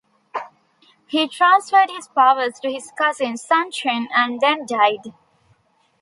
He transferred his powers to his cousin Sun Chen and then died.